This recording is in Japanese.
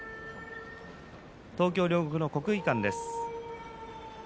東京・両国の国技館です。